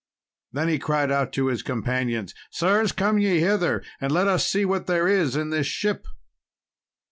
Then he cried out to his companions, "Sirs, come ye hither, and let us see what there is in this ship."